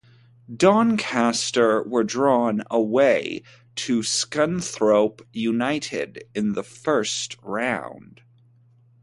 Doncaster were drawn away to Scunthorpe United in the first round.